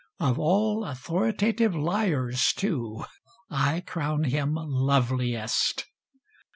Of all authoritative liars, too, I crown him loveliest.